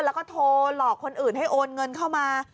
แล้วก็โทรหลอกคนอื่นให้โอนเงินเข้ามา